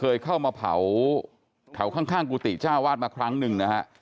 เคยเข้ามาเผาเข้าข้างกุฏิจ้าวาดมาทั้งหนึ่งนะครับ